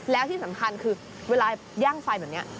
แล้วที่สำคัญคือเวลาย่างไฟแบบนี้